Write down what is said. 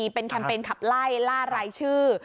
เป็นแคมเปญขับไล่ล่ารายชื่อ